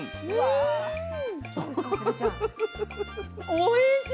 おいしい。